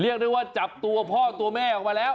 เรียกได้ว่าจับตัวพ่อตัวแม่ออกมาแล้ว